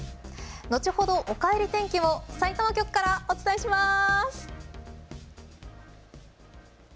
後ほどおかえり天気もさいたま局からお伝えします。